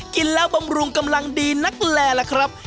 กินแล้วบำรุงกำลังดีนักแลล่ะครับ